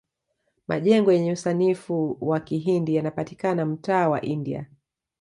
majengo yenye usanifu wa kihindi yanapatikana mtaa wa india